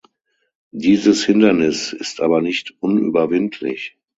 Dieses Hindernis ist aber nicht unüberwindlich.